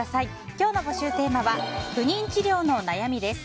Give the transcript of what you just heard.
今日の募集テーマは不妊治療の悩みです。